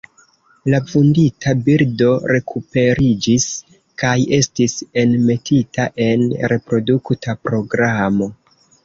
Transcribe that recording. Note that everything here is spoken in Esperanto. La vundita birdo rekuperiĝis kaj estis enmetita en reprodukta programo.